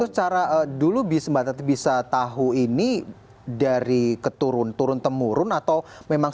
terus cara dulu mbak titi bisa tahu ini dari keturun turun temurun atau memang